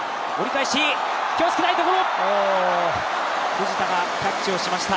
藤田がキャッチをしました。